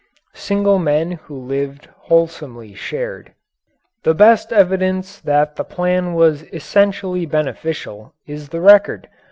Single men who lived wholesomely shared. The best evidence that the plan was essentially beneficial is the record.